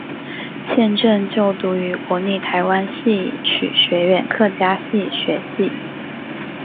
现正就读于国立台湾戏曲学院客家戏学系。